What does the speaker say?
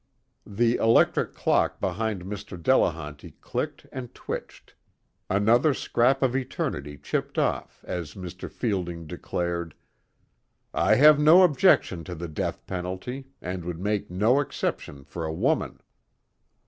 The electric clock behind Mr. Delehanty clicked and twitched, another scrap of eternity chipped off as Mr. Fielding declared: "I have no objection to the death penalty, and would make no exception for a woman."